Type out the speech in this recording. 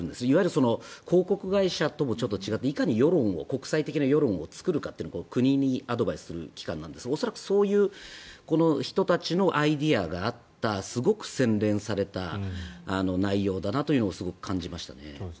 いわゆる広告会社ともちょっと違っていかに国際的な世論を作るかというのを国にアドバイスする機関なんですが恐らく、そういう人たちのアイデアがあったすごく洗練された内容だなとすごく感じましたね。